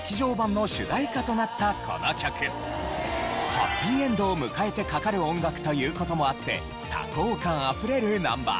ハッピーエンドを迎えてかかる音楽という事もあって多幸感あふれるナンバー。